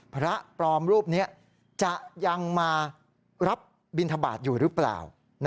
พระปลอมรูปนี้จะยังมารับบินทบาทอยู่หรือเปล่า